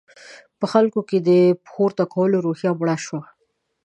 په خلکو کې د سر پورته کولو روحیه مړه شوه.